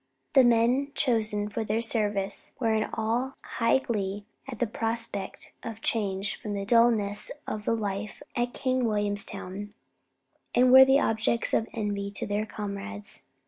The men chosen for the service were all in high glee at the prospect of a change from the dulness of the life at King Williamstown, and were the objects of envy to their comrades.